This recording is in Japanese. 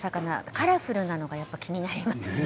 カラフルなのが気になりますね。